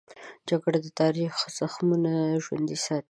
جګړه د تاریخ زخمونه ژوندي ساتي